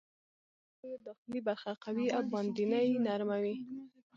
د ځینو لرګیو داخلي برخه قوي او باندنۍ نرمه وي.